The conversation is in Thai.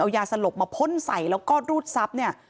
เอายาสลบมาพ่นใส่แล้วก็รูดซับเนี่ย